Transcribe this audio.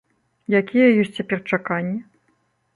Якія ёсць цяпер чаканні?